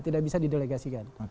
tidak bisa didelegasikan